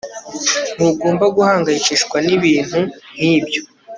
Ntugomba guhangayikishwa nibintu nkibyo